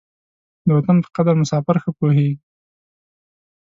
د وطن په قدر مساپر ښه پوهېږي.